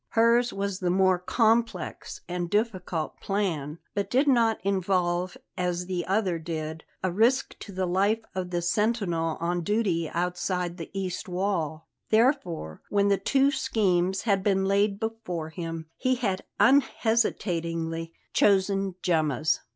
Hers was the more complex and difficult plan, but did not involve, as the other did, a risk to the life of the sentinel on duty outside the east wall. Therefore, when the two schemes had been laid before him, he had unhesitatingly chosen Gemma's.